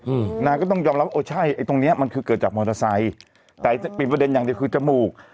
อืมนางก็ต้องยอมรับว่าโอ้ใช่ไอ้ตรงเนี้ยมันคือเกิดจากมอเตอร์ไซค์แต่เป็นประเด็นอย่างเดียวคือจมูก